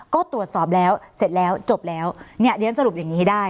ก็ตรวจสอบแล้วเสร็จแล้วจบแล้วเนี่ยเรียนสรุปอย่างนี้ให้ได้